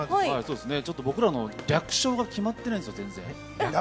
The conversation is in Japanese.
僕らの略称が決まっていないんですよ、全然。